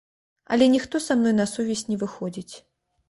Але ніхто са мной на сувязь не выходзіць.